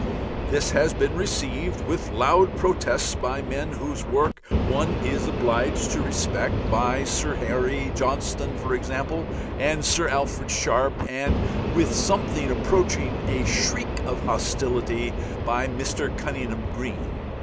This has been received with loud protests by men whose work one is obliged to respect, by Sir Harry, Johnston, for example, and Sir Alfred Sharpe, and with something approaching a shriek of hostility by Mr. Cunninghame Graham.